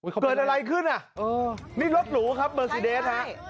เกิดอะไรขึ้นอ่ะนี่รถหรูครับเบอร์ซีเดสฮะ